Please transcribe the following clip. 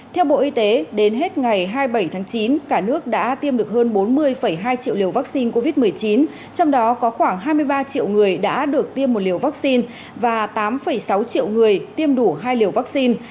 theo bộ y tế đến hết ngày hai mươi bảy tháng chín cả nước đã tiêm được hơn bốn mươi hai triệu liều vaccine covid một mươi chín trong đó có khoảng hai mươi ba triệu người đã được tiêm một liều vaccine và tám sáu triệu người tiêm đủ hai liều vaccine